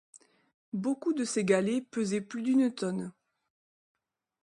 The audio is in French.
Beaucoup de ces galets pesaient plus d’une tonne.